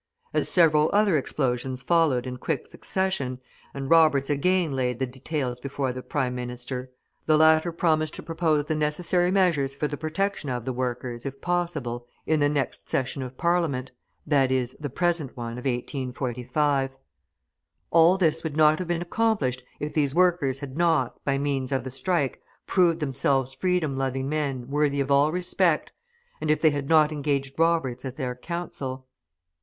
As several other explosions followed in quick succession, and Roberts again laid the details before the Prime Minister, the latter promised to propose the necessary measures for the protection of the workers, if possible, in the next session of Parliament, i.e., the present one of 1845. All this would not have been accomplished if these workers had not, by means of the strike, proved themselves freedom loving men worthy of all respect, and if they had not engaged Roberts as their counsel.